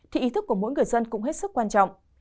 thì ý thức của mỗi người dân cũng hết sức quan trọng